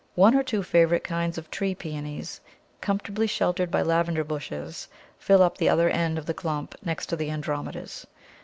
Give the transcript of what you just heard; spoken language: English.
One or two favourite kinds of Tree Pæonies, comfortably sheltered by Lavender bushes, fill up the other end of the clump next to the Andromedas.